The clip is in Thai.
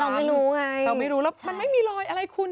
เราไม่รู้ไงเราไม่รู้แล้วมันไม่มีรอยอะไรคุณ